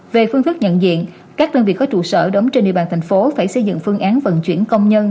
về phương thức nhận diện các đơn vị có trụ sở đóng trên địa bàn thành phố phải xây dựng phương án vận chuyển công nhân